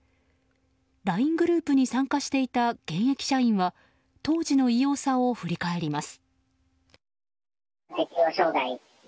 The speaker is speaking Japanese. ＬＩＮＥグループに参加していた現役社員は当時の異様さを振り返ります。